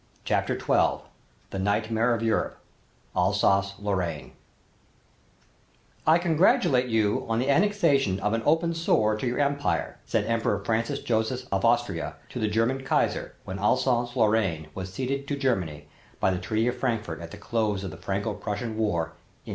CHAPTER XII THE NIGHTMARE OF EUROPE ALSACE LORRAINE "I congratulate you on the annexation of an open sore to your Empire," said Emperor Francis Joseph of Austria to the German Kaiser when Alsace Lorraine was ceded to Germany by the Treaty of Frankfort at the close of the Franco Prussian War, in 1871.